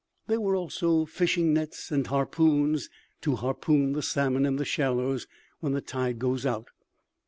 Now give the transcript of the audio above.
There were also fishing nets and harpoons to harpoon the salmon in the shallows when the tide goes out.